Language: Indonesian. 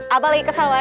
abang lagi kesel